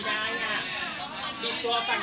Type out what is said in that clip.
ข้าวเอาไว้ก่อน